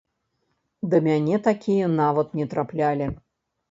Да мяне такія нават не траплялі.